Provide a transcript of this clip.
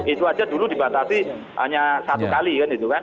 itu aja dulu dibatasi hanya satu kali kan itu kan